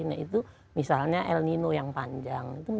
nah itu misalnya el nino yang panjang